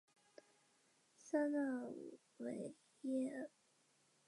他们比普通的矮人更能耐受魔法与毒药。